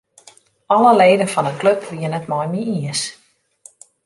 Alle leden fan 'e klup wiene it mei my iens.